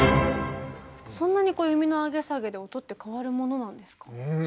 そんなにこう弓の上げ下げで音って変わるものなんですか？